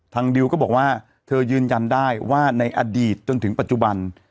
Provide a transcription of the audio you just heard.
ดิวก็บอกว่าเธอยืนยันได้ว่าในอดีตจนถึงปัจจุบัน